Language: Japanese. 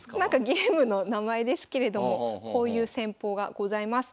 ゲームの名前ですけれどもこういう戦法がございます。